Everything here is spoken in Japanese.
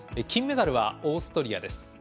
金メダルはオーストリアです。